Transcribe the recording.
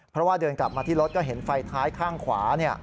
เพราะว่าเดินกลับมาที่รถก็เห็นไฟท้ายข้างขวา